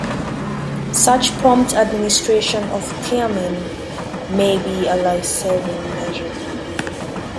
Such prompt administration of thiamine may be a life-saving measure.